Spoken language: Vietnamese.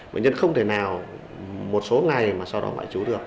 bệnh nhân không thể nào một số ngày mà sau đó ngoại trú được